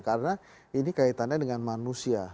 karena ini kaitannya dengan manusia